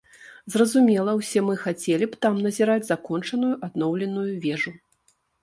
Зразумела, усе мы хацелі б там назіраць закончаную адноўленую вежу.